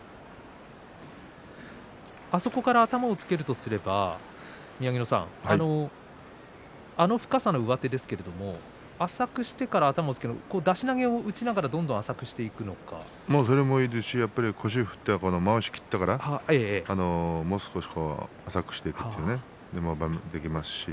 あそこから頭をつけるとすれば宮城野さんあの深さの上手ですけれども浅くしてからまた押っつける出し投げを打ちながらそれでもいいですし腰を振ってまわしを切ってからもう少し浅くしていくこともできますし